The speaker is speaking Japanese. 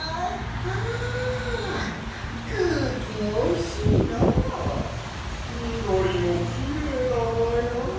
あくうきもおいしいのう。みどりもきれいだがや。